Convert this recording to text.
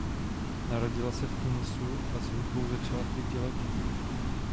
Narodila se v Tunisu a s hudbou začala v pěti letech.